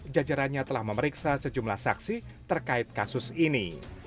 jajarannya telah memeriksa sejumlah saksi terkait kasus ini